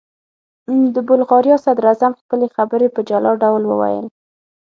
د بلغاریا صدراعظم خپلې خبرې په جلا ډول وویل.